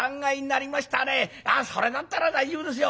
それだったら大丈夫ですよ。